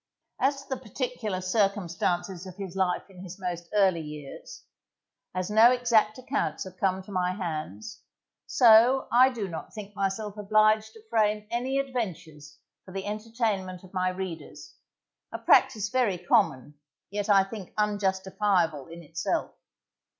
As to the particular circumstances of his life in his most early years, as no exact accounts have come to my hands, so I do not think myself obliged to frame any adventures for the entertainment of my readers, a practice very common, yet I think unjustifiable in itself.